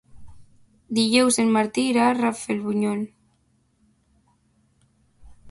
Dijous en Martí irà a Rafelbunyol.